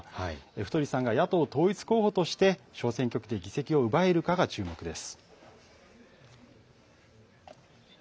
太さんが野党統一候補として小選挙区で議席を奪えるかが注目です。